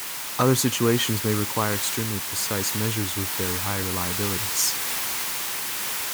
Other situations may require extremely precise measures with very high reliabilities.